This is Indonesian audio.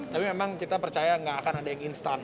tapi memang kita percaya gak akan ada yang instan